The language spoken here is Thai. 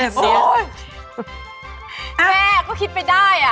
แม่ก็คิดไปได้